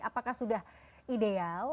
apakah sudah ideal